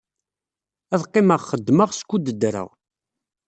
Ad qqimeɣ xeddmeɣ skud ddreɣ.